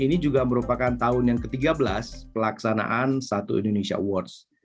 ini juga merupakan tahun yang ke tiga belas pelaksanaan satu indonesia awards